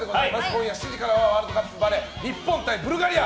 今夜７時からはワールドカップバレー日本対ブルガリア。